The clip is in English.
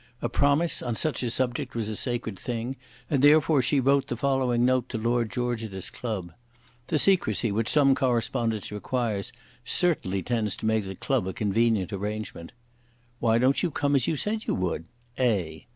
A promise on such a subject was a sacred thing, and therefore she wrote the following note to Lord George at his club. The secrecy which some correspondence requires certainly tends to make a club a convenient arrangement. "Why don't you come as you said you would? A."